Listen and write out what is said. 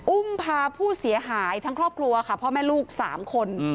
อุ้มพาผู้เสียหายทั้งครอบครัวค่ะพ่อแม่ลูก๓คน